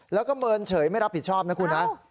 แล้วก็เมินเฉยไม่รับผิดชอบนะคุณนะ